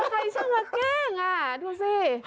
อ้อใครช่างแกล้งน่ะถูกสิ